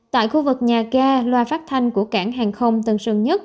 tại khu vực nhà ga loa phát thanh của cảng hàng không tân sơn nhất